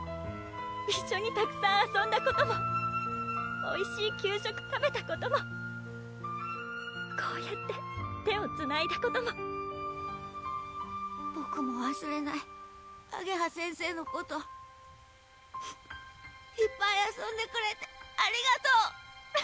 一緒にたくさん遊んだこともおいしい給食食べたこともこうやって手をつないだこともボクもわすれないあげは先生のこといっぱい遊んでくれてありがと